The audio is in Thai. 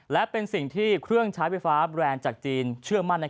และเป็นสิ่งที่เครื่องใช้ไฟฟ้าแบรนด์จากจีนเชื่อมั่น